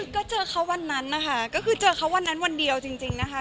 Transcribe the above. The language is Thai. ก็เจอเขาวันนั้นนะคะก็คือเจอเขาวันนั้นวันเดียวจริงนะคะ